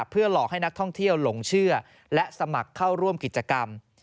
เพื่อหลอกให้นักท่องเที่ยวหลงเชื่อและสมัครเข้าร่วมกิจกรรม